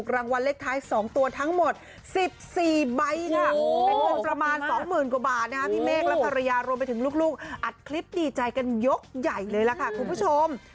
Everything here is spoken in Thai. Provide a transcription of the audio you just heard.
รางวัลเล็กท้ายสองตัวทั้งหมด๑๔ใบค่ะประมาณสองหมื่นกว่าบาทนะครับพี่เมฆและธรรยารวมไปถึงลูกอัดคลิปดีใจกันยกใหญ่เลยล่ะค่ะคุณผู้ชม